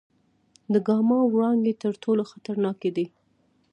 د ګاما وړانګې تر ټولو خطرناکې دي.